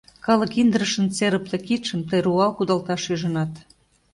Калык индырышын серыпле кидшым тый руал кудалташ ӱжынат…